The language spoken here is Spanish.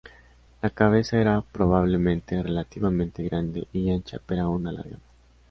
La cabeza era probablemente relativamente grande y ancha pero aún alargada.